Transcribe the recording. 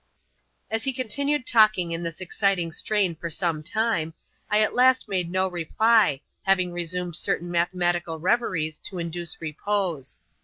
As he continued talking in this exciting strain for some time, I at last made no reply, having resumed certain mathematical reveries to induce repose.